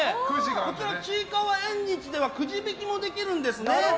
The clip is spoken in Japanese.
こちら、ちいかわ縁日ではくじ引きもできるんですね。